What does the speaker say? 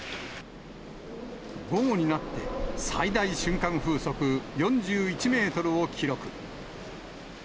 午後になって、最大瞬間風速４１メートルを記録。